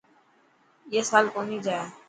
اي سال ڪونهي جائي.